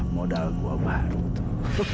modal gua baru tuh